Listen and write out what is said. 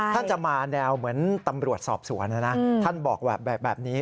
ท่านจะมาแนวเหมือนตำรวจสอบสวนนะนะท่านบอกแบบนี้